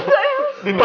papa aku buta pa